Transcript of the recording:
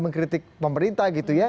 mengkritik pemerintah gitu ya